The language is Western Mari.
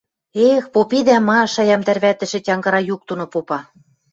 – Эх, попедӓ ма? – шаям тӓрвӓтӹшӹ тянгыра юк доно попа.